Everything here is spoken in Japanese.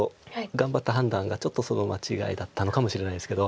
頑張った判断がちょっと間違いだったのかもしれないですけど。